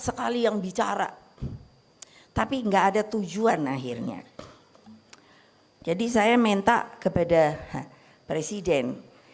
sekali yang bicara tapi enggak ada tujuan akhirnya jadi saya minta kepada presiden